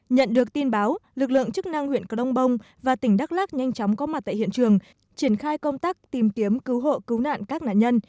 nhận được tin báo lực lượng chức năng huyện crong bông và tỉnh đắk lắc nhanh chóng có mặt tại hiện trường triển khai công tác tìm kiếm cứu hộ cứu nạn các nạn nhân